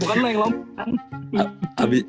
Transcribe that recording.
bukan main lompat kan